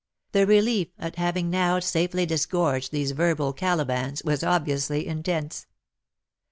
The relief at having now safely disgorged these verbal calibans was obviously intense.